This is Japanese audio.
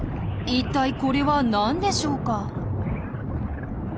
一体これは何でしょうか？